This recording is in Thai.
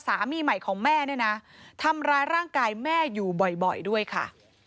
สามีใหม่ของแม่เนี่ยนะทำร้ายร่างกายแม่อยู่บ่อยด้วยค่ะ